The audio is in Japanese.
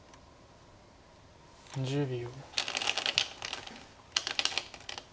１０秒。